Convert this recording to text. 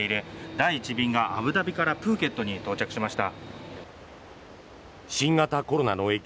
第１便がアブダビからプーケットに到着しました。